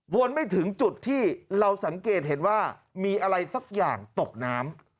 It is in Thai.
ไม่ถึงจุดที่เราสังเกตเห็นว่ามีอะไรสักอย่างตกน้ำ